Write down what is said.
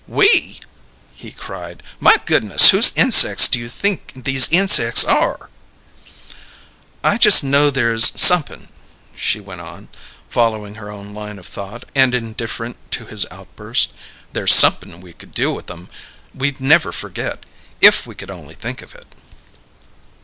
"'We'!" he cried. "My goodness, whose insecks do you think these insecks are?" "I just know there's somep'n," she went on, following her own line of thought, and indifferent to his outburst. "There's somep'n we could do with 'em that we'd never forget, if we could only think of it."